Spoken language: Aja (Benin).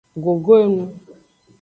Gogo enu.